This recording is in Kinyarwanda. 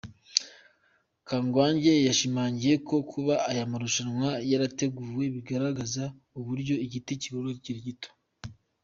Kangwagye yashimangiye ko kuba aya amarushanwa yarateguwe bigaragaza uburyo igiti kigomba kugororwa kikiri gito.